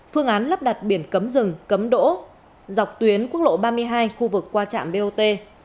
phương án lắp đặt biển cấm rừng cấm đỗ dọc tuyến quốc lộ ba mươi hai khu vực qua trạm bot